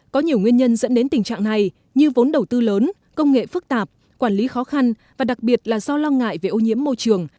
có nhiều nguyên nhân dẫn đến tình trạng này như vốn đầu tư lớn công nghệ phức tạp quản lý khó khăn và đặc biệt là do lo ngại về ô nhiễm môi trường